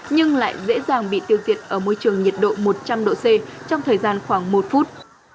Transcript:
nhưng lại dễ dàng bị tiêu diệt ở môi trường nhiệt độ một trăm linh độ c trong thời gian khoảng một phút